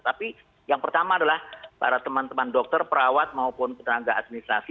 tapi yang pertama adalah para teman teman dokter perawat maupun tenaga administrasi